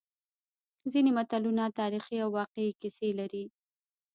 ځینې متلونه تاریخي او واقعي کیسې لري